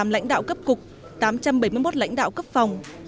tám trăm bảy mươi tám lãnh đạo cấp cục tám trăm bảy mươi một lãnh đạo cấp phòng